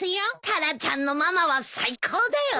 タラちゃんのママは最高だよ！